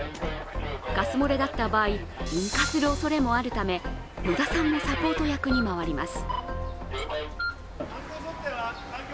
ガス漏れだった場合、引火するおそれもあるため野田さんもサポート役に回ります。